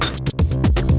wah keren banget